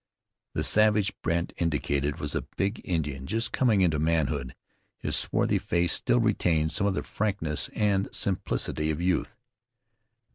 The savage Brandt indicated was a big Indian just coming into manhood. His swarthy face still retained some of the frankness and simplicity of youth.